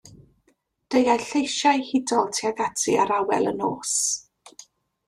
Deuai lleisiau hudol tuag ati ar awel y nos.